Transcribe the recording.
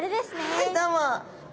はいどうも！